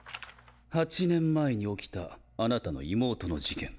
８年前に起きた貴方の妹の事件。